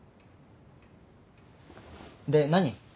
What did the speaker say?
で何？